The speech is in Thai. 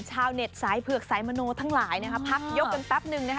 ชาวเน็ตสายเผือกสายมโนทั้งหลายนะคะพักยกกันแป๊บนึงนะคะ